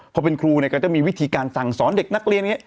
พอเป็นครูก็จะมีวิธีการสั่งสอนเด็กนักเรียน